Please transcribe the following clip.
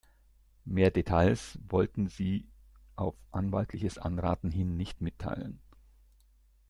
Mehr Details wollten sie auf anwaltliches Anraten hin nicht mitteilen.